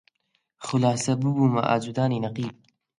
خولاسە ببوومە ئاجوودانی نەقیب